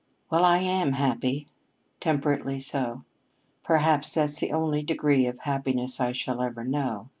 "Well, I am happy temperately so. Perhaps that's the only degree of happiness I shall ever know.